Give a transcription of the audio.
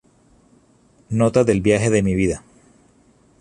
Notas del viaje de mi vida".